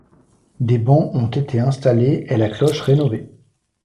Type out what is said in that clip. Des bancs ont été installés et la cloche rénovée.